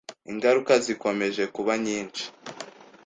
ingaruka zikomeje kuba nyinshi